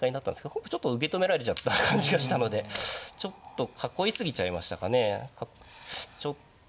本譜ちょっと受け止められちゃった感じがしたのでちょっと囲い過ぎちゃいましたかね。